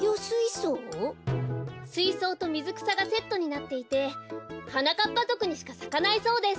すいそうとみずくさがセットになっていてはなかっぱぞくにしかさかないそうです。